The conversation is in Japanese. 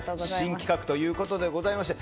新企画ということでございまして。